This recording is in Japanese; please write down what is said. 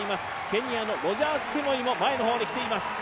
ケニアのロジャース・ケモイも前の方に来ています。